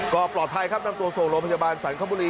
ก็ปลอดภัยครับนำตัวส่งโรงพยาบาลสรรคบุรี